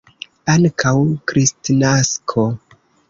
Antaŭ Kristnasko.